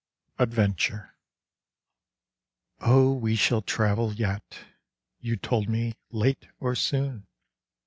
ADVENTURE " Oh, we shall travel yet," You told me, " late or soon